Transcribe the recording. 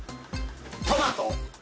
トマト？